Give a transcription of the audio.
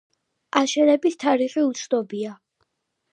აშენების თარიღი უცნობია.